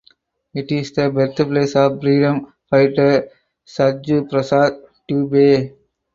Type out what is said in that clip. It is the birthplace of freedom fighter Sarju Prasad Dubey.